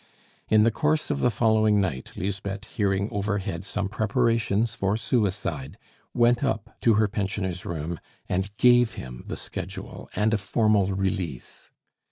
In the course of the following night, Lisbeth hearing overhead some preparations for suicide, went up to her pensioner's room, and gave him the schedule and a formal release.